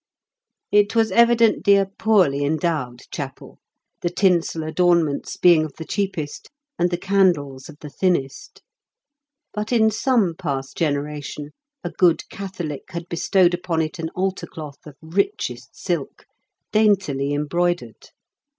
It was evidently a poorly endowed chapel, the tinsel adornments being of the cheapest and the candles of the thinnest. But in some past generation a good Catholic had bestowed upon it an altarcloth of richest silk, daintily embroidered.